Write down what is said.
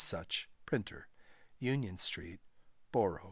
Such, Printer, Union street, Boro.